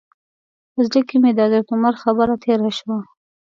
په زړه کې مې د حضرت عمر خبره تېره شوه.